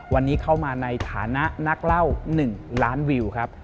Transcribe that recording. วันนี้เข้ามาในฐานะนักเล่า๑ล้านวิวครับ